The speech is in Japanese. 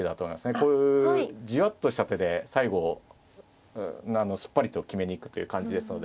こういうじわっとした手で最後あのすっぱりと決めに行くという感じですので。